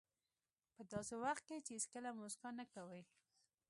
په داسې وخت کې چې هېڅکله موسکا نه کوئ.